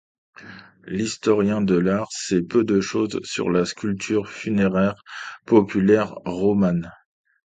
L'historien de l'art sait peu de choses sur la sculpture funéraire populaire romane.